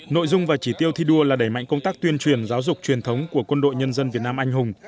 nội dung và chỉ tiêu thi đua là đẩy mạnh công tác tuyên truyền giáo dục truyền thống của quân đội nhân dân việt nam anh hùng